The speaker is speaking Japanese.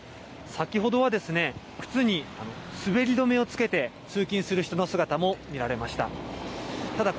先ほどはですね、靴に滑り止めをつけて、通勤する人の姿も見られました。